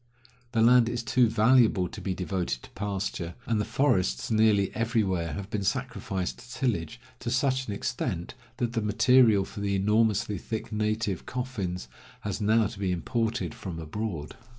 The land is too valuable to be devoted to pasture, and the forests nearly everywhere have been sacrificed to tillage to such an extent that the material for the enormously thick native coffins has now to be imported from abroad.